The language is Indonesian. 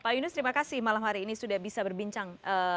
pak yunus terima kasih malam hari ini sudah bisa berbincang